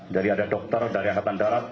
ada dokter dari angkatan darat